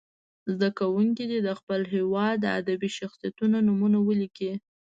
زده کوونکي دې د خپل هېواد د ادبي شخصیتونو نومونه ولیکي.